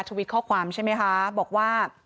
วิตข้อความใช่ไหมคะบอกว่า